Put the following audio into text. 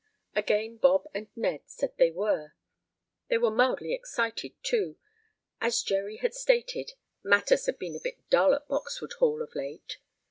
Again Bob and Ned said they were. They were mildly excited, too. As Jerry had stated, matters had been a bit dull at Boxwood Hall of late.